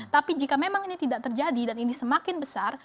tapi jika memang ini tidak terjadi dan ini semakin besar